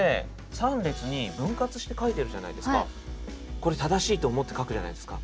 これ正しいと思って書くじゃないですか。